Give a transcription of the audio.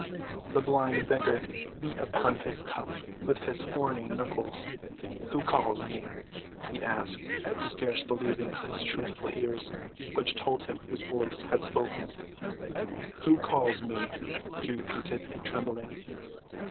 The blind beggar beat upon his cup with his horny knuckles. "Who calls me?" he asked, scarce believing his truthful ears which told him whose voice had spoken. "Who calls me?" he repeated, trembling.